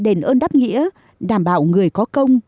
đền ơn đáp nghĩa đảm bảo người có công